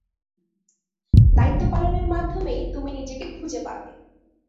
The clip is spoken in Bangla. দায়িত্বপালনের মাধ্যমেই তুমি নিজেকে খুঁজে পাবে।